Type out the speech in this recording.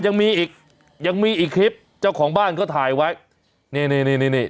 ยังมีอีกยังมีอีกคลิปเจ้าของบ้านเขาถ่ายไว้นี่นี่นี่นี่